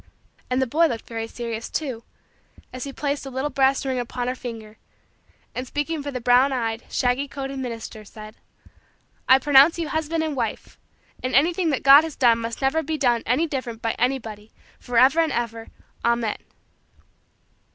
And the boy looked very serious, too, as he placed a little brass ring upon her finger and, speaking for the brown eyed, shaggy coated, minister, said: "I pronounce you husband and wife and anything that God has done must never be done any different by anybody forever and ever, Amen."